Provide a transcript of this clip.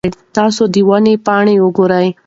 تاسو د ونې پاڼې وګورئ.